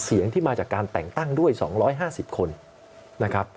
เสียงที่มาจากการแต่งตั้งด้วย๒๕๐คนนะครับ